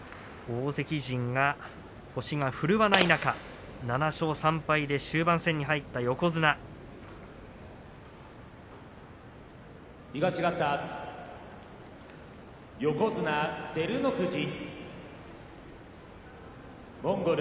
大関陣、星が振るわない中７勝３敗で終盤に入った横綱照ノ富士。